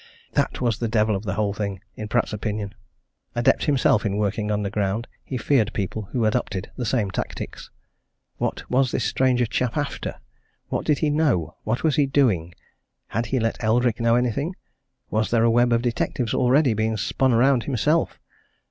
That was the devil of the whole thing! in Pratt's opinion. Adept himself in working underground, he feared people who adopted the same tactics. What was this stranger chap after? What did he know? What was he doing? Had he let Eldrick know anything? Was there a web of detectives already being spun around himself?